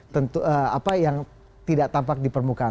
tentu apa yang tidak tampak di permukaan